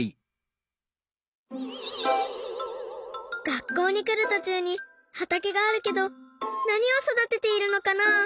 学校にくるとちゅうにはたけがあるけどなにをそだてているのかな？